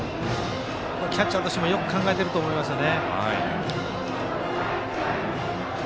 キャッチャーとしてもよく考えていると思いますね。